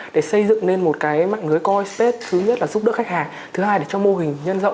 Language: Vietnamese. để xây dựng lên một cái mạng người coispace thứ nhất là giúp đỡ khách hàng thứ hai là cho mô hình nhân rộng